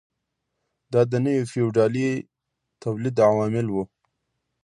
دا د نوي فیوډالي تولید عوامل وو.